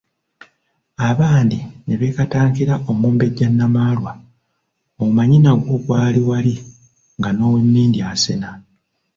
Abandi ne beekatankira Omumbejja Namaalwa, omanyi nagwo gwali wali nga n'owemmindi asena!